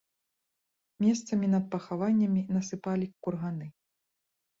Месцамі над пахаваннямі насыпалі курганы.